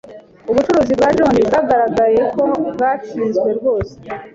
Ubucuruzi bwa John bwagaragaye ko bwatsinzwe rwose.